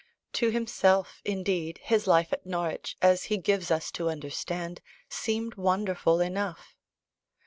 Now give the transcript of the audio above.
To himself, indeed, his life at Norwich, as he gives us to understand, seemed wonderful enough.